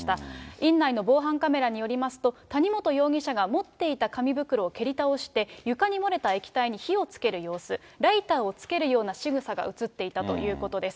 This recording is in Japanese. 院内の防犯カメラによりますと、谷本容疑者が、持っていた紙袋を蹴り倒して、床に漏れた液体に火をつける様子、ライターをつけるようなしぐさが写っていたということです。